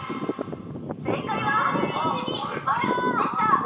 正解は腰に丸でした。